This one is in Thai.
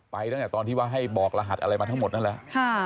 ตั้งแต่ตอนที่ว่าให้บอกรหัสอะไรมาทั้งหมดนั่นแหละ